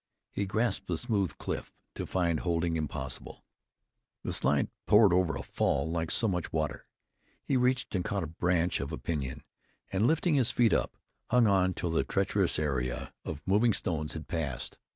He grasped the smooth cliff, to find holding impossible. The slide poured over a fall like so much water. He reached and caught a branch of a pinyon, and lifting his feet up, hung on till the treacherous area of moving stones had passed.